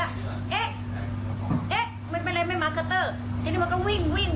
เอ๊ะเอ๊ะไม่เป็นไรไม่มาร์เก็ตเตอร์ทีนี้มันก็วิ่งวิ่ง